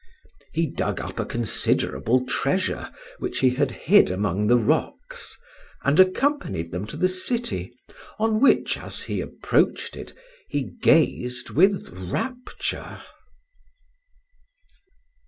He dug up a considerable treasure which he had hid among the rocks, and accompanied them to the city, on which, as he approached it, he gazed with rapture.